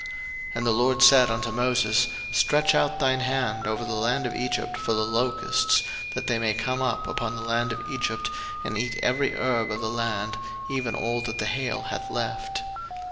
02:010:012 And the LORD said unto Moses, Stretch out thine hand over the land of Egypt for the locusts, that they may come up upon the land of Egypt, and eat every herb of the land, even all that the hail hath left.